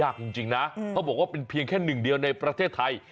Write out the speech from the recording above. จริงนะเขาบอกว่าเป็นเพียงแค่หนึ่งเดียวในประเทศไทย